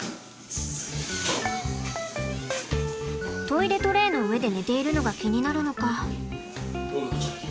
トイレトレーの上で寝ているのが気になるのか。